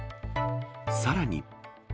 さらに。